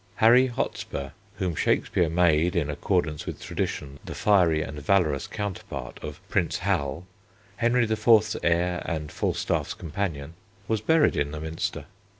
Harry Hotspur, whom Shakespeare made in accordance with tradition the fiery and valorous counterpart of Prince Hal, Henry IV.'s heir and Falstaff's companion, was buried in the Minster.